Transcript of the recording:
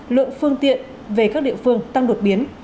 lượng phương tiện về các địa phương tăng đột biến